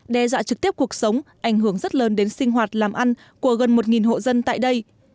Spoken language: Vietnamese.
đe dọa trực tiếp cuộc sống ảnh hưởng rất lớn đến sinh hoạt làm ăn của gần một hộ dân tại đây